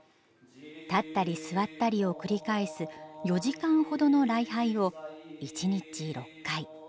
立ったり座ったりを繰り返す４時間ほどの礼拝を１日６回。